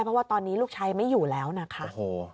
เพราะว่าตอนนี้ลูกชายไม่อยู่แล้วนะคะ